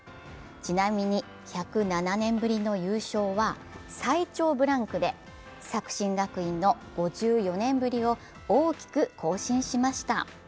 ちなみに１０７年ぶりの優勝は最長ブランクで作新学院の５４年ぶりを大きく更新しました。